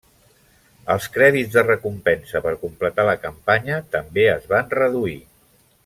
Els crèdits de recompensa per completar la campanya també es van reduir.